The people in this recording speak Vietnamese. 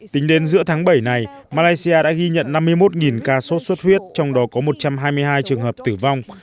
tính đến giữa tháng bảy này malaysia đã ghi nhận năm mươi một ca sốt xuất huyết trong đó có một trăm hai mươi hai trường hợp tử vong